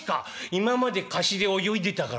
今まで河岸で泳いでたから」。